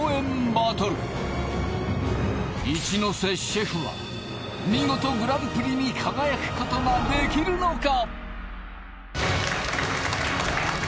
バトル一之瀬シェフは見事グランプリに輝くことができるのか！？